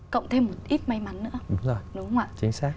cộng thêm một ít may mắn nữa